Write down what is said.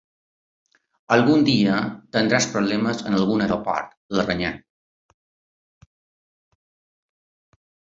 Agun dia tindràs problemes en algun aeroport —la renya.